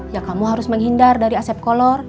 ya kamu harus menghindar dari asep kolor